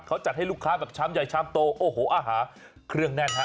มันจัดให้ลูกค้าแบบช้ำใหญ่น้ำโตอาหารเครื่องแน่น